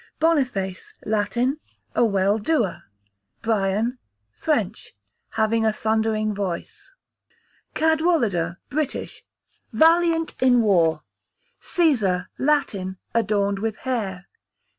Boniface, Latin, a well doer. Brian, French, having a thundering voice. Cadwallader, British, valiant in war. Cæsar, Latin, adorned with hair.